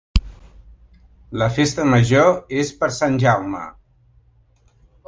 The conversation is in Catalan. La Festa Major és per Sant Jaume.